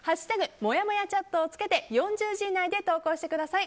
「＃もやもやチャット」をつけて４０文字以内で投稿してください。